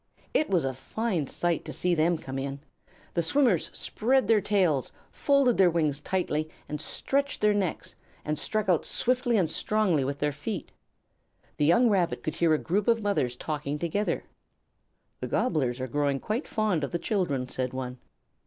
It was a fine sight to see them come in. The swimmers spread their tails, folded their wings tightly, stretched their necks, and struck out swiftly and strongly with their feet. The young Rabbit could hear a group of mothers talking together. "The Gobblers are growing quite fond of the children," said one.